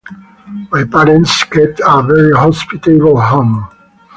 My parents kept a very hospitable home.